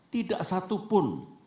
tidak satu pun